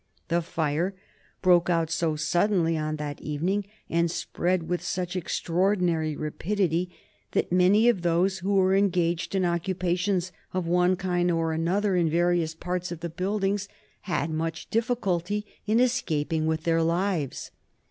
The fire broke out so suddenly on that evening and spread with such extraordinary rapidity that many of those who were engaged in occupations of one kind or another in various parts of the buildings had much difficulty in escaping with their lives.